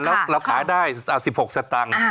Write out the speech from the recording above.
แล้วเราขายได้สิบหกสตังค์